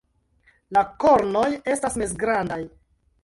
La kornoj estas mezgrandaj.